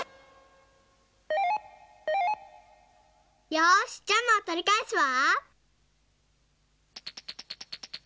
よしジャムをとりかえすわ。